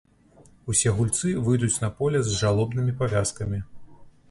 Усе гульцы выйдуць на поле з жалобнымі павязкамі.